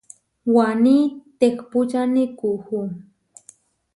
Waní tehpúčani kuú.